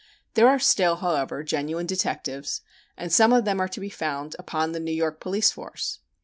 There are still, however, genuine detectives, and some of them are to be found upon the New York police force.